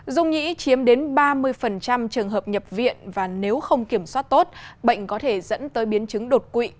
dung nhĩ chiếm đến ba mươi trường hợp nhập viện và nếu không kiểm soát tốt bệnh có thể dẫn tới biến chứng đột quỵ